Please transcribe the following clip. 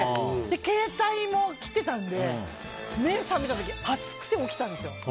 携帯も来てたので目が覚めた時に暑くて起きたんですよ。